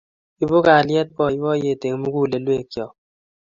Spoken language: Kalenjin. Ipu kalyet boiboiyet eng mugulelwek cho